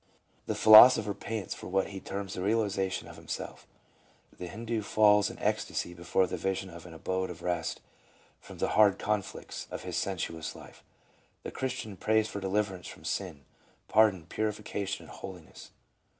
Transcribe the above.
The philosopher pants for what he terms the realization of himself ; the Hindoo falls in ecstasy before the vision of an abode of rest from the hard conflicts of this sensuous life ; the Christian prays for deliv erance from sin, pardon, purification and holiness.